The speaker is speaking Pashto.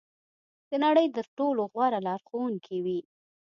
د نړۍ تر ټولو غوره لارښوونکې وي.